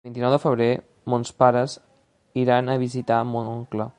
El vint-i-nou de febrer mons pares iran a visitar mon oncle.